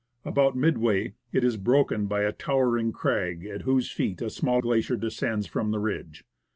About midway it is broken by a tower ing crag, at whose feet a small glacier descends from the ridge.